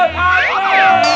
ampun ampun ampun